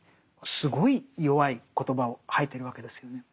すごい弱い言葉を吐いてるわけですよね。